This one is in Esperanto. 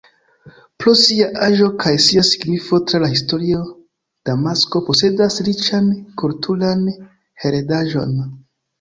Pro sia aĝo kaj sia signifo tra la historio Damasko posedas riĉan kulturan heredaĵon.